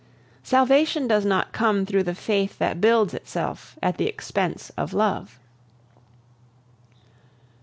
Salvation does not come through the faith that builds itself at the expense of love.